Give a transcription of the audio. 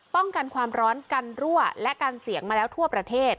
ป้องกันความร้อนกันรั่วและกันเสียงมาแล้วทั่วประเทศ